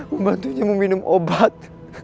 membantunya meminum obat